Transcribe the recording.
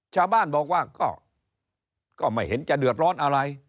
ชาวบ้านบอกว่าก็ไม่เห็นจะเดือดร้อนอะไร